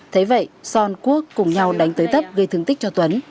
thế vậy son quốc cùng nhau đánh tới tấp gây thương tích cho tuấn